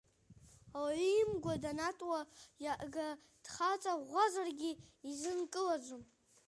Ауаҩы имгәа данатуа, иага дхаҵа ӷәӷәазаргьы изынкылаӡом…